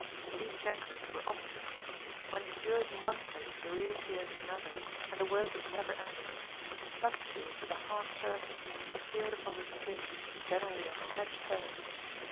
These chancres were obstinate; when cured in one place they reappeared in another, and the work was never ended. Pustules with a hard surface appeared upon the skin, generally on the head first.